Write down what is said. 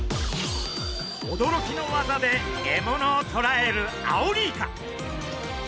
驚きの技で獲物をとらえるアオリイカ。